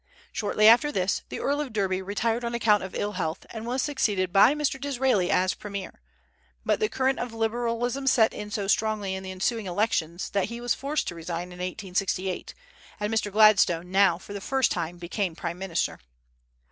Shortly after this, the Earl of Derby retired on account of ill health, and was succeeded by Mr. Disraeli as premier; but the current of Liberalism set in so strongly in the ensuing elections that he was forced to resign in 1868, and Mr. Gladstone now for the first time became prime minister.